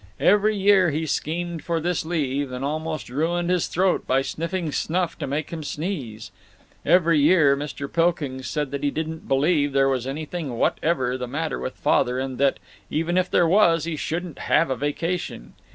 Every year he schemed for this leave, and almost ruined his throat by sniffing snuff to make him sneeze. Every year Mr. Pilkings said that he didn't believe there was anything whatever the matter with Father and that, even if there was, he shouldn't have a vacation.